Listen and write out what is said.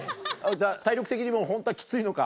体力的にもホントはきついのか？